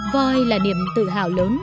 voi là niềm tự hào lớn